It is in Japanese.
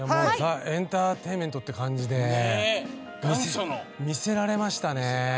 エンターテインメントって感じで見せられましたね。